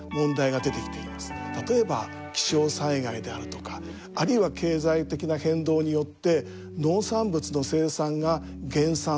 例えば気象災害であるとかあるいは経済的な変動によって農産物の生産が減産する。